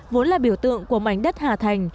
vốn là biểu tượng của mảnh đất hà thành